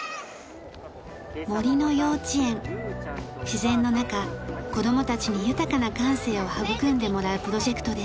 自然の中子供たちに豊かな感性を育んでもらうプロジェクトです。